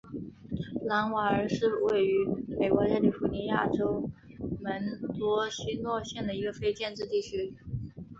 朗瓦尔是位于美国加利福尼亚州门多西诺县的一个非建制地区。